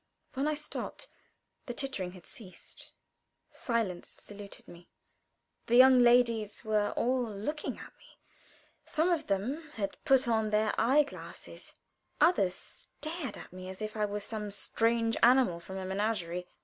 When I stopped, the tittering had ceased; silence saluted me. The young ladies were all looking at me; some of them had put on their eye glasses; others stared at me as if I were some strange animal from a menagerie.